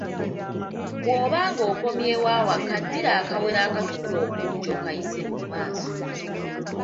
Bw'obanga okomyewo awaka ddira akawero akatukula obulungi okayise mu maaso.